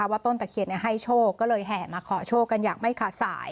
ต้นตะเคียนให้โชคก็เลยแห่มาขอโชคกันอย่างไม่ขาดสาย